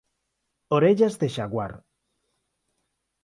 Orellas de xaguar.